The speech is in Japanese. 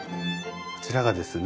こちらがですね